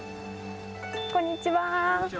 こんにちは。